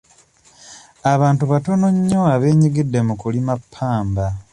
Abantu batono nnyo abeenyigidde mu kulima ppamba.